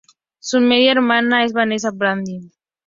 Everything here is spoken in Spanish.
Su media hermana es Vanessa Vadim.